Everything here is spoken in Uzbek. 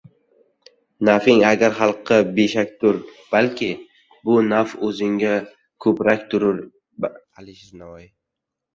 Naf’ing agar xalqqa beshakdurur Bilki, bu naf’ o‘zungga ko‘prakdurur. Alisher Navoiy